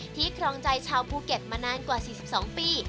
ครองใจชาวภูเก็ตมานานกว่า๔๒ปี